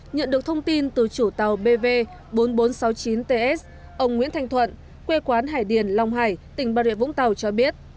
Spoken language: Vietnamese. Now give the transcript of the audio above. nhận được thông tin từ chủ tàu bv bốn nghìn bốn trăm sáu mươi chín ts ông nguyễn thanh thuận quê quán hải điền long hải tỉnh bà rịa vũng tàu cho biết